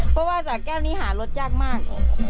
เพราะว่าสะแก้วนี้หารถยากมาก